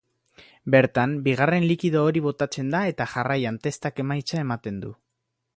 Bertan, bigarren likido hori botatzen da eta jarraian testak emaitza ematen du.